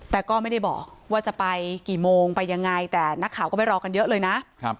แต่ก็ไม่ได้บอกว่าจะไปกี่โมงไปยังไงแต่นักข่าวก็ไปรอกันเยอะเลยนะ